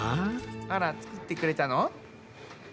あら作ってくれたの？